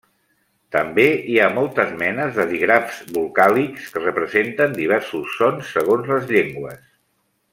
També hi ha moltes menes de dígrafs vocàlics que representen diversos sons segons les llengües.